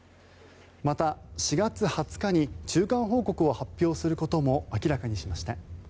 また、４月２０日に中間報告を発表することも明らかにしました。